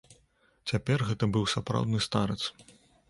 Цяпер гэта быў сапраўдны старац.